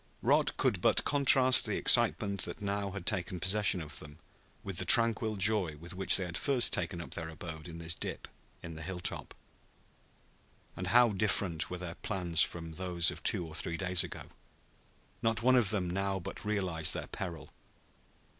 Rod could but contrast the excitement that had now taken possession of them with the tranquil joy with which they had first taken up their abode in this dip in the hilltop. And how different were their plans from those of two or three days ago! Not one of them now but realized their peril.